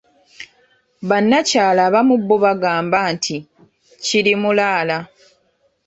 Bannakyala abamu bo bagamba nti "Kirimulaala"